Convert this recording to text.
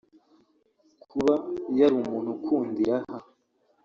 Kuba yari umuntu ukunda iraha